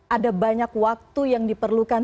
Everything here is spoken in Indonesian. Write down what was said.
ada banyak waktu yang diperlukan